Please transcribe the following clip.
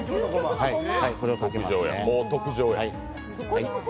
これをかけますね。